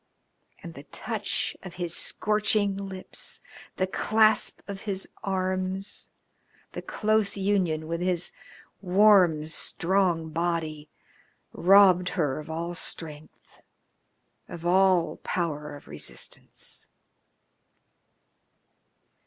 And the touch of his scorching lips, the clasp of his arms, the close union with his warm, strong body robbed her of all strength, of all power of resistance.